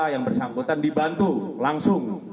yang bersangkutan dibantu langsung